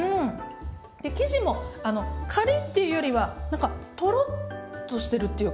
生地もあのカリッていうよりは何かトロッとしてるっていうか。